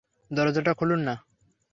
দরজাটা খুলুন না?